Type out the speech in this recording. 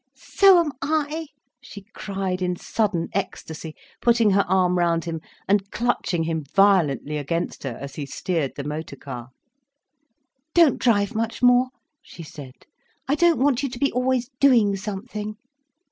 "So am I," she cried in sudden ecstacy, putting her arm round him and clutching him violently against her, as he steered the motor car. "Don't drive much more," she said. "I don't want you to be always doing something."